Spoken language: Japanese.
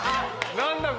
何だ？